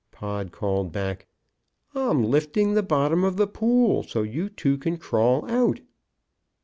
Pod called back, "I'm lifting the bottom of the pool so you two can crawl out."